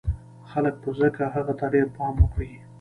خلک به ځکه هغه ته ډېر پام وکړي